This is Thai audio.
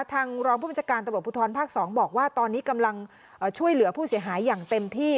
รองผู้บัญชาการตำรวจภูทรภาค๒บอกว่าตอนนี้กำลังช่วยเหลือผู้เสียหายอย่างเต็มที่